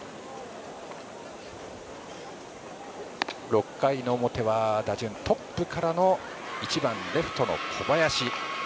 ６回の表は打順トップからの１番・レフトの小林。